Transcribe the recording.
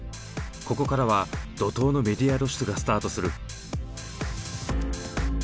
ここからは怒涛のメディア露出がスタートする。